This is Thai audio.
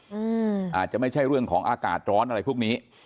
อาจจะไม่ใช่เรื่องของอากาศร้อนอะไรพวกนี้